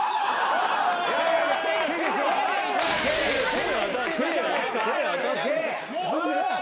手！